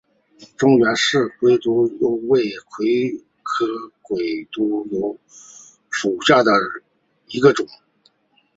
中原氏鬼督邮为菊科鬼督邮属下的一个种。